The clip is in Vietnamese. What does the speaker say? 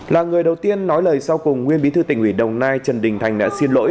là người đầu tiên nói lời sau cùng nguyên bí thư tỉnh ủy đồng nai trần đình thành đã xin lỗi